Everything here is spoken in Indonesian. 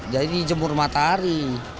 jadi jemur matahari